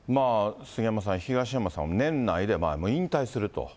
杉山さん、東山さん、年内で引退すると。